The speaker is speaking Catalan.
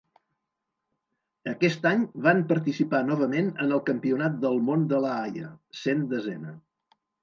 Aquest any van participar novament en el Campionat del Món de La Haia, sent desena.